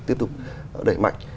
tiếp tục đẩy mạnh